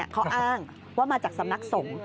เขาอ้างว่ามาจากสำนักสงฆ์